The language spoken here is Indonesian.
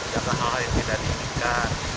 jatah hal yang tidak diinginkan